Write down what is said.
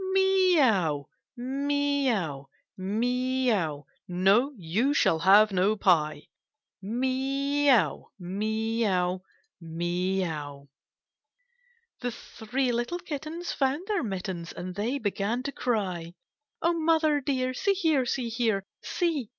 "Mee ow, mee ow, mee ow!" " No, you shall have no pie." "Mee ow, mee ow, mee ow!" 40 KITTEKS AKD OATS 'The three little Kittens found their mittens, •And they began to cry, "O mother dear. See here, see here. See!